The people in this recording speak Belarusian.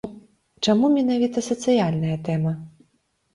Чаму менавіта сацыяльная тэма?